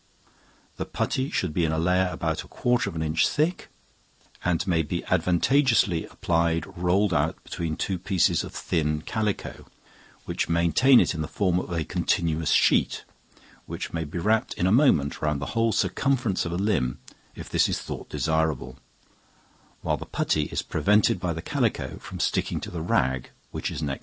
The putty should be in a layer about a quarter of an inch thick, and may be advantageously applied rolled out between two pieces of thin calico, which maintain it in the form of a continuous sheet, which may be wrapped in a moment round the whole circumference of a limb if this be thought desirable, while the putty is prevented by the calico from sticking to the rag which is next the skin.